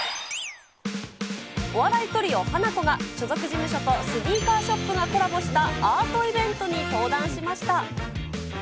お笑いトリオ、ハナコが所属事務所とスニーカーショップがコラボしたアートイベントに登壇しました。